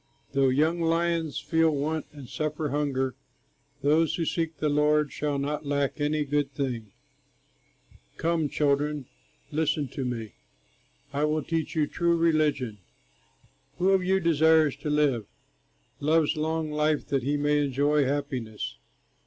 Though young lions feel want and suffer hunger, Those who seek the Lord shall not lack any good thing. Come, children, listen to me; I will teach you true religion: Who of you desires to live, Loves long life that he may enjoy happiness?